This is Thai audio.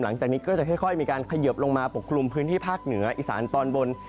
หลังจากนี้ก็จะค่อยมีการเขยิบลงมาปกคลุมพื้นที่ภาคเหนืออีสานตอนบน